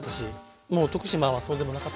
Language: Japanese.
もう徳島はそうでもなかったですか？